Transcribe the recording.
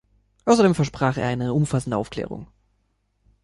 Außerdem versprach er eine umfassende Aufklärung.